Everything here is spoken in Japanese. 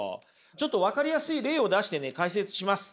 ちょっと分かりやすい例を出してね解説します。